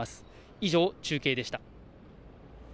以上、中継でした。